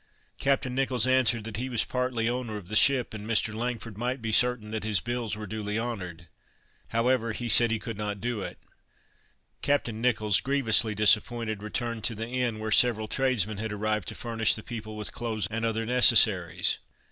Captain Nicholls answered, that he was partly owner of the ship, and Mr. Langford might be certain that his bills were duly honored. However, he said he could not do it. Captain Nicholls, grievously disappointed, returned to the inn, where several tradesmen had arrived to furnish the people with clothes and other necessaries.